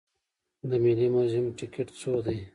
د ملي موزیم ټکټ څو دی؟